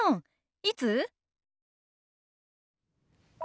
「いつ？」。